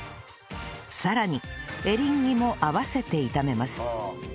さらにエリンギも合わせて炒めます